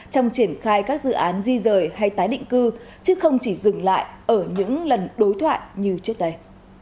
trong triển khai các dự án di rời hay tái định cư chứ không chỉ dừng lại ở những lần đối thoại như trước đây